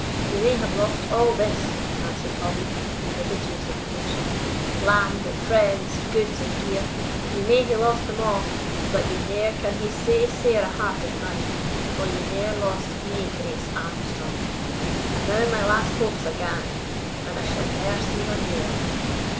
"Ye may have lost all this," answered Hobbie, in the bitterness of emotion; "land and friends, goods and gear; ye may hae lost them a', but ye ne'er can hae sae sair a heart as mine, for ye ne'er lost nae Grace Armstrong. And now my last hopes are gane, and I shall ne'er see her mair."